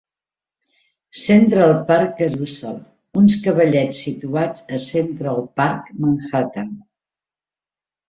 Central Park Carousel: uns cavallets situats a Central Park, Manhattan.